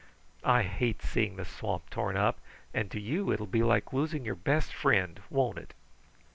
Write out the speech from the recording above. I hate seeing the swamp torn up, and to you it will be like losing your best friend; won't it?"